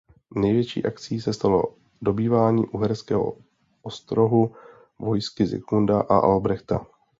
Největší akcí se stalo dobývání Uherského Ostrohu vojsky Zikmunda a Albrechta.